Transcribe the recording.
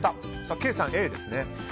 ケイさん、Ａですね。